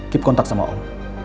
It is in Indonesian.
keep kontak sama om